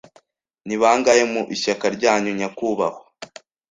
Ni bangahe mu ishyaka ryanyu, nyakubahwa?